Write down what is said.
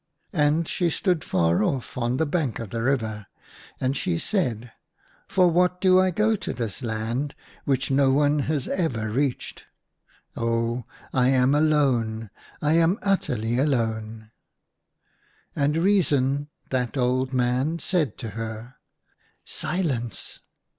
And she stood far off on the bank of the river. And she said, " For what do I go to this far land which no one has ever reached ."^ Ok, I am alone / I am utterly alone I " And Reason, that old man, said to her, " Silence